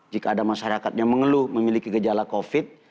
jika ada masyarakat yang mengeluh memiliki gejala covid